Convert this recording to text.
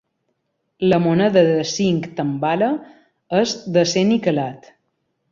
La moneda de cinc tambala és d'acer niquelat.